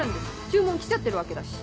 注文来ちゃってるわけだし。